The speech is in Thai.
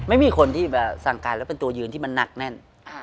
ไม่มีคนที่สั่งการแล้วเป็นตัวยืนที่มันหนักแน่น